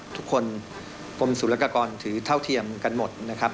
ทุกคนความสุรกากรถือเท่าเทียมกันหมดนะครับ